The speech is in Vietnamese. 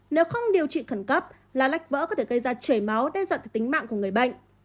nếu không điều trị khẩn cấp lá lách vỡ có thể gây ra trời máu đe dọa từ tính mạng của người bệnh